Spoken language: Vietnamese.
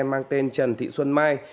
mang tên trần thị xuân mai